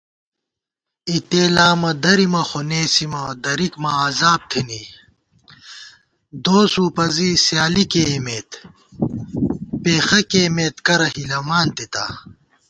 اِتےلامہ درِمہ خو نېسِمہ درِک ماں عذاب تھنی * دوس وُپَزی سیالی کېئیمېت پېخہ کېئیمت کرہ ہِلَمان تِتا